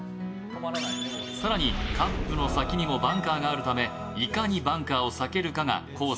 更にカップの先にもバンカーがあるためいかにバンカーを避けるかがコース